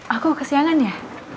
aku mau ke siangannya